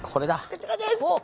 こちらです！